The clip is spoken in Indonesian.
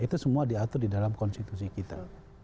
itu semua diatur di dalam konstitusi kita